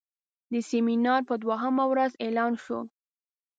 د سیمینار په دوهمه ورځ اعلان شو.